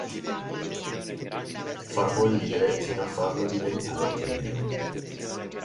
Far bollire fino a farlo diventare tenero.